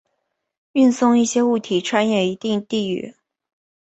运送一些物体穿越一定地域。